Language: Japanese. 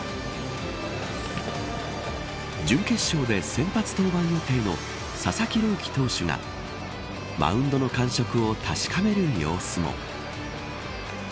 準決勝で先発登板予定の佐々木朗希投手がマウンドの感触を確かめる様子も。